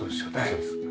そうですね。